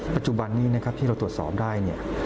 ปัจจุบันนี้นะครับที่เราตรวจสอบได้เนี่ย